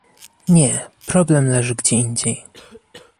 Nie, problem leży gdzie indziej